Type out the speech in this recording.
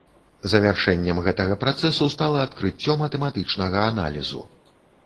Завяршэннем гэтага працэсу стала адкрыццё матэматычнага аналізу.